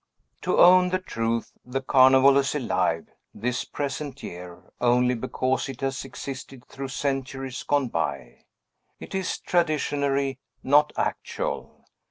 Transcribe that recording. To own the truth, the Carnival is alive, this present year, only because it has existed through centuries gone by. It is traditionary, not actual.